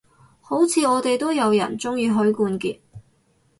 好似我哋都有人鍾意許冠傑